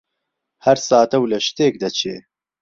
هەر ساتە و لە شتێک دەچێ: